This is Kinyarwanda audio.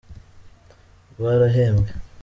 barahembwe.